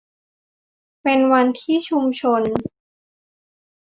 เป็นวันที่ชุมชน